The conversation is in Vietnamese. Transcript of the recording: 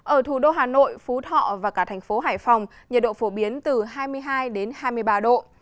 ở thủ đô hà nội phú thọ và cả thành phố hải phòng nhiệt độ phổ biến từ hai mươi hai đến hai mươi ba độ